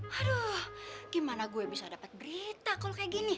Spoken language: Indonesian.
aduh gimana gue bisa dapet berita kalo kayak gini